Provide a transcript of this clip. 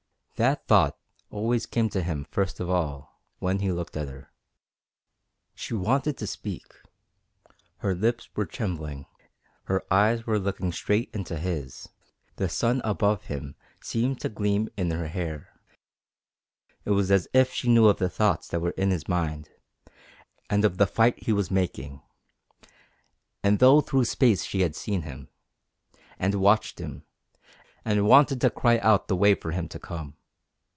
That thought always came to him first of all when he looked at her. She wanted to speak. Her lips were trembling, her eyes were looking straight into his, the sun above him seemed to gleam in her hair. It was as if she knew of the thoughts that were in his mind, and of the fight he was making; as though through space she had seen him, and watched him, and wanted to cry out for him the way to come.